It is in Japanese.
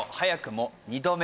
もう２度目。